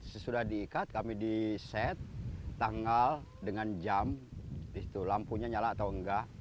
sesudah diikat kami di set tanggal dengan jam itu lampunya nyala atau enggak